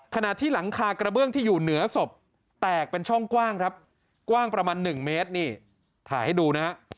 ขณะที่หลังคากระเบื้องที่อยู่เหนือศพแตกเป็นช่องกว้างครับกว้างประมาณ๑เมตรนี่ถ่ายให้ดูนะฮะ